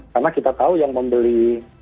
karena kita tahu yang membeli